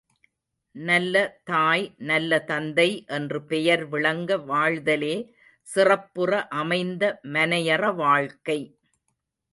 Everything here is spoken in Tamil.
நல்ல தாய், நல்ல தந்தை என்று பெயர் விளங்க வாழ்தலே சிறப்புற அமைந்த மனையற வாழ்க்கை.